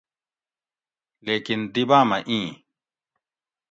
لیکن دی بامہ ایں